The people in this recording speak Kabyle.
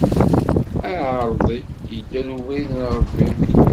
Aɛeṛḍi idda d ubrid n Ṛebbi.